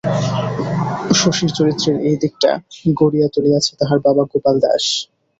শশীর চরিত্রের এই দিকটা গড়িয়া তুলিয়াছে তাহার বাবা গোপাল দাস।